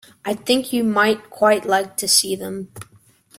I think you might quite like to see them.